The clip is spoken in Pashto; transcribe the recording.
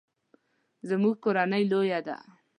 زموږ کورنۍ لویه ده